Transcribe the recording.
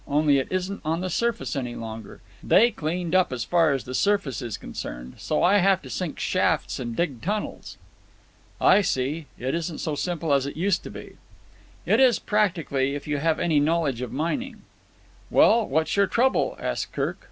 Only it isn't on the surface any longer. They cleaned up as far as the surface is concerned, so I have to sink shafts and dig tunnels." "I see. It isn't so simple as it used to be." "It is, practically, if you have any knowledge of mining." "Well, what's your trouble?" asked Kirk.